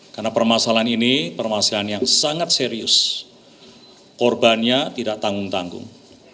karena permasalahan ini permasalahan yang sangat serius korbannya tidak tanggung tanggung